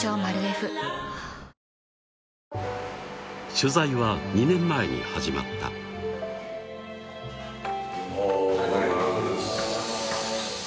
取材は２年前に始まったおはようございますおはようございます